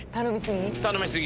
頼み過ぎ？